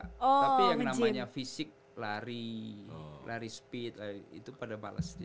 tapi yang namanya fisik lari lari speed itu pada bales